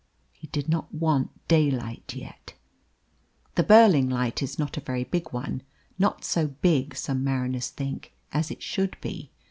He did not want daylight yet. The Burling light is not a very big one not so big, some mariners think, as it should be.